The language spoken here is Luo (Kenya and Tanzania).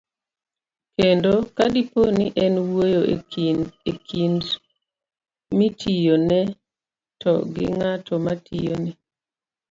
kendo, kadipo ni en wuoyo e kind mitiyone to gi ng'at matiyone,